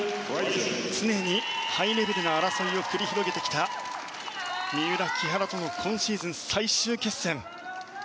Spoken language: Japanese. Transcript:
常にハイレベルな争いを繰り広げてきた三浦、木原との今シーズン最終決戦。